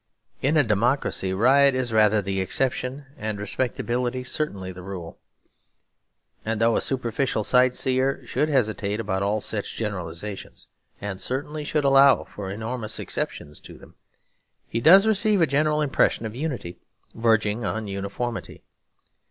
In a democracy riot is rather the exception and respectability certainly the rule. And though a superficial sight seer should hesitate about all such generalisations, and certainly should allow for enormous exceptions to them, he does receive a general impression of unity verging on uniformity.